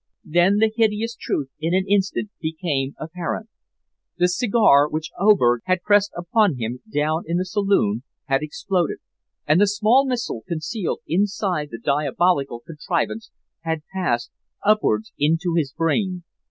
Then the hideous truth in an instant became apparent. The cigar which Oberg had pressed upon him down in the saloon had exploded, and the small missile concealed inside the diabolical contrivance had passed upwards into his brain.